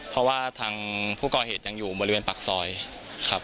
เพราะว่าทางผู้ก่อเหตุยังอยู่บริเวณปากซอยครับ